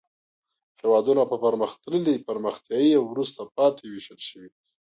هېوادونه په پرمختللي، پرمختیایي او وروسته پاتې ویشل شوي.